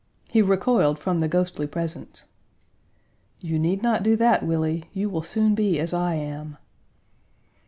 He recoiled from the ghostly presence. "You need not do that, Willie. You will soon be as I am."